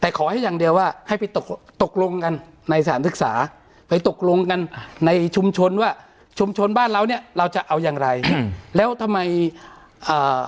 แต่ขอให้อย่างเดียวว่าให้ไปตกตกลงกันในสถานศึกษาไปตกลงกันในชุมชนว่าชุมชนบ้านเราเนี้ยเราจะเอาอย่างไรอืมแล้วทำไมอ่า